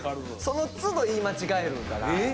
そのつど言い間違えるから。